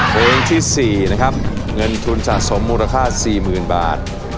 เพลงที่๔นะครับเงินทุนสะสมมูลค่า๔๐๐๐บาท